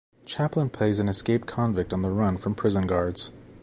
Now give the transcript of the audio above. Chaplin plays an escaped convict on the run from prison guards.